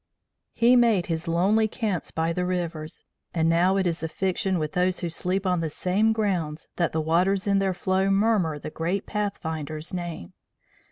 He made his lonely camps by the rivers, and now it is a fiction with those who sleep on the same grounds that the waters in their flow murmur the great pathfinder's name.